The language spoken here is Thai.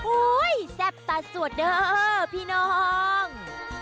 แซ่บตาสวดเด้อพี่น้อง